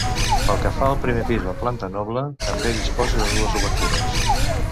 Pel que fa al primer pis o planta noble, també disposa de dues obertures.